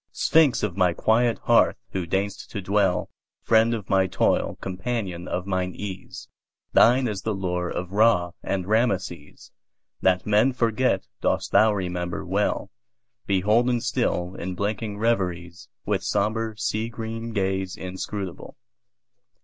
Sphinx of my quiet hearth! who deign'st to dwellFriend of my toil, companion of mine ease, Thine is the lore of Ra and Rameses; That men forget dost thou remember well, Beholden still in blinking reveriesWith sombre, sea green gaze inscrutable.